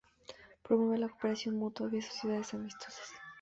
Promueve la cooperación mutua vía sociedades amistosas.